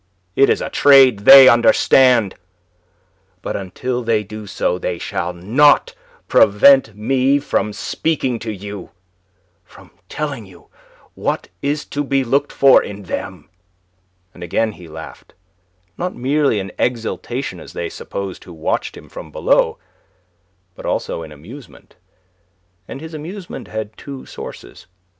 It is a trade they understand. But until they do so, they shall not prevent me from speaking to you, from telling you what is to be looked for in them." And again he laughed, not merely in exaltation as they supposed who watched him from below, but also in amusement. And his amusement had two sources.